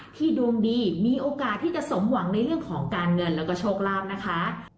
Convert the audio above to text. ดวงดีมีโอกาสที่จะสมหวังในเรื่องของการเงินแล้วก็โชคลาภนะคะ